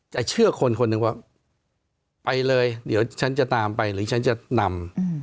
เชื่อคนคนหนึ่งว่าไปเลยเดี๋ยวฉันจะตามไปหรือฉันจะนำ